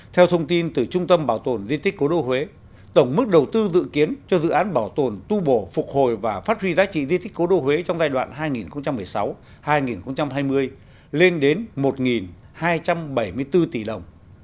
theo thông tin từ trung tâm bảo tồn di tích cố đô huế tổng mức đầu tư dự kiến cho dự án bảo tồn tu bổ phục hồi và phát huy giá trị di thích cố đô huế trong giai đoạn hai nghìn một mươi sáu hai nghìn hai mươi lên đến một hai trăm bảy mươi bốn tỷ đồng